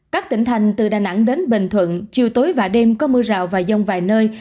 các tỉnh thành từ đà nẵng đến bình thuận chiều tối và đêm có mưa rào và rông vài nơi